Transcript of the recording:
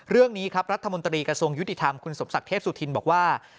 เรื่องนี้ครับรัฐมนตรีกระทรวงยุติธรรมคุณสมศักดิ์เทพสุธินบอกว่า